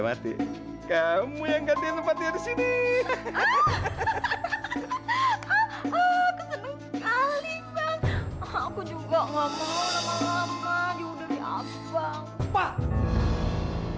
mati kamu yang ganti tempatnya di sini hahaha aku juga nggak mau lama lama judulnya abang pak